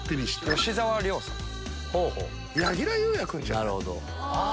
なるほど。